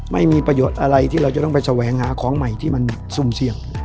ไม่มีประโยชน์อะไรที่เราจะต้องไปแสวงหาของใหม่ที่มันซุ่มเสี่ยง